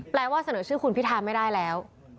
แปลว่าเสนอชื่อคุณพิธาไม่ได้แล้ว